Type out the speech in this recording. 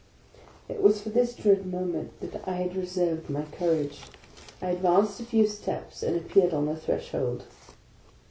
It was for this dread moment that I had reserved my cour 96 THE LAST DAY age. I advanced n few steps, and appeared on the threshold.